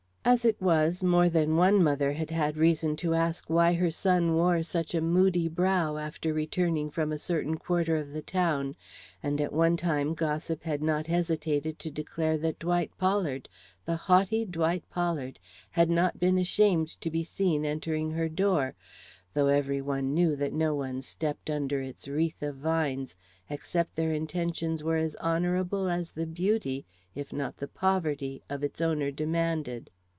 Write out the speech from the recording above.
As it was, more than one mother had had reason to ask why her son wore such a moody brow after returning from a certain quarter of the town, and at one time gossip had not hesitated to declare that Dwight Pollard the haughty Dwight Pollard had not been ashamed to be seen entering her door, though every one knew that no one stepped under its wreath of vines except their intentions were as honorable as the beauty, if not the poverty, of its owner demanded.